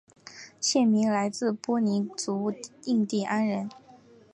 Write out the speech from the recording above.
县名来自波尼族印第安人。